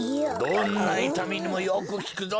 どんないたみにもよくきくぞ。